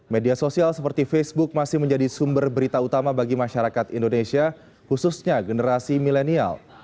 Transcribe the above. media sosial seperti facebook masih menjadi sumber berita utama bagi masyarakat indonesia khususnya generasi milenial